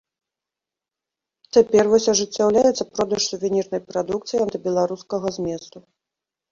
Цяпер вось ажыццяўляецца продаж сувенірнай прадукцыі антыбеларускага зместу.